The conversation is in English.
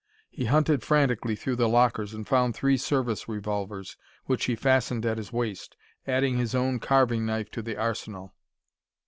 He hunted frantically through the lockers and found three service revolvers, which he fastened at his waist, adding his own carving knife to the arsenal.